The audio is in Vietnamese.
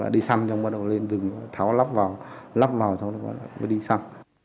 đi săn bắt đầu lên rừng tháo lắp vào lắp vào rồi đi săn